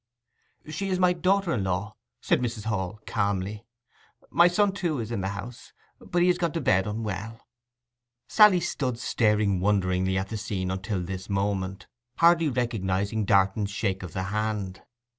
'She is my daughter in law,' said Mrs. Hall calmly. 'My son, too, is in the house, but he has gone to bed unwell.' Sally had stood staring wonderingly at the scene until this moment, hardly recognizing Darton's shake of the hand.